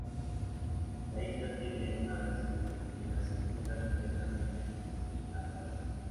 La isla tiene un arrecife que la circunda completamente que protege la playa.